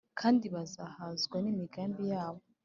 , Kandi bazahazwa n’imigambi yabo